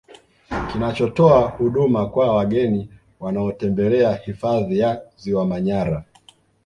Kinachotoa huduma kwa wageni wanaotembelea hifadhi ya Ziwa Manyara